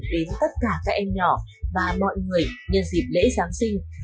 đến tất cả các em nhỏ và mọi người nhân dịp lễ giáng sinh